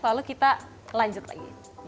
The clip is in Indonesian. lalu kita lanjut lagi